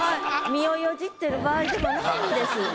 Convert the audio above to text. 身を捩ってる場合でもないんです。